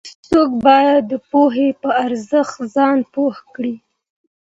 هر څوک باید د پوهې په ارزښت ځان پوه کړي.